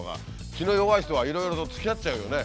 気の弱い人はいろいろとつきあっちゃうよね。